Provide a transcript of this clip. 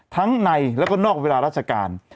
ทั้งในและนอกเวลารัชการ